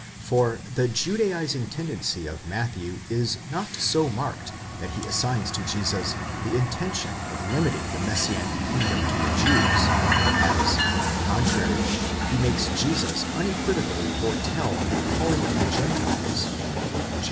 For, as the judaizing tendency of Matthew is not so marked that he assigns to Jesus the intention of limiting the messianic kingdom to the Jews; as, on the contrary, he makes Jesus unequivocally foretell the calling of the Gentiles (viii.